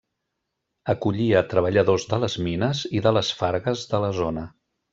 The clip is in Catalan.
Acollia treballadors de les mines i de les fargues de la zona.